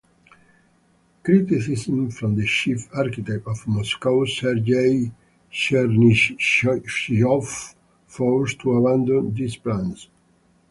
Criticism from the chief architect of Moscow Sergey Chernyshyov forced to abandon these plans.